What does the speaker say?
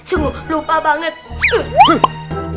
sungguh lupa banget